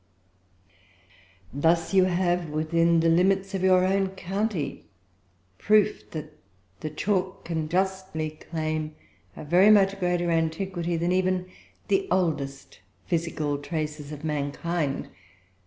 Thus you have, within the limits of your own county, proof that the chalk can justly claim a very much greater antiquity than even the oldest physical traces of mankind.